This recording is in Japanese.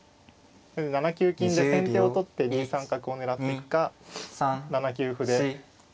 ７九金で先手を取って２三角を狙っていくか７九歩でうん。